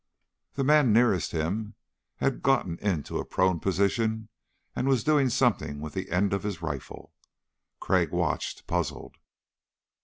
The man nearest him had gotten into a prone position and was doing something with the end of his rifle. Crag watched, puzzled.